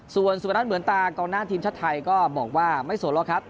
ส่วนสุพนัทเหมือนตากองหน้าทีมชาติไทยก็บอกว่าไม่สนหรอกครับ